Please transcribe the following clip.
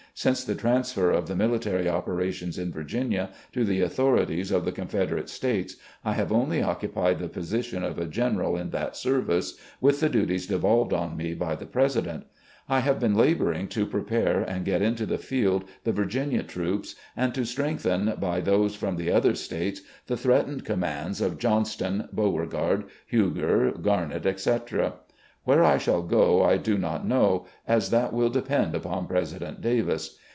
Since the transfer of the military operations in Virginia to the authorities of the Confederate States, I have only occupied the position of a general in that service, with the duties devolved on me by the Presi dent. I have been labouring to prepare and get into the field the Virginia troops, and to strengthen, by those from the other States, the threatened commands of Johnston, Beauregard, Huger, G^amett, etc. Where I shall go I do not know, as that wiU depend upon President Davis.